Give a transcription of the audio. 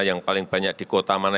yang paling banyak di kota mana